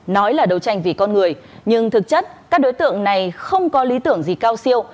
nói là đấu tranh vì con người nhưng thực chất các đối tượng này không có lý tưởng gì cao siêu